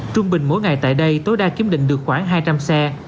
trung bình mỗi ngày tại đây tối đa kiếm định được khoảng hai trăm linh xe